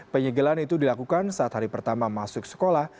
penyegelan itu dilakukan saat hari pertama masuk sekolah